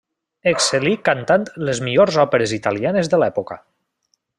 Excel·lí cantant les millors òperes italianes de l'època.